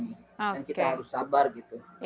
yang kita harus sabar gitu